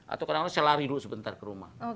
atau kadang kadang saya lari dulu sebentar ke rumah